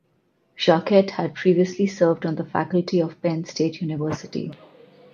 Jacquette had previously served on the faculty of Penn State University.